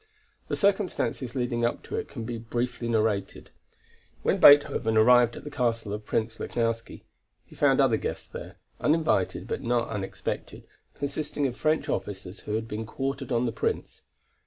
The circumstances leading up to it can be briefly narrated. When Beethoven arrived at the castle of Prince Lichnowsky, he found other guests there, uninvited but not unexpected, consisting of French officers who had been quartered on the Prince.